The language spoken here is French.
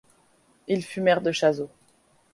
Il fut maire de Chazeau.